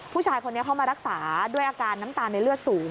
ผู้ชายคนนี้เข้ามารักษาด้วยอาการน้ำตาลในเลือดสูง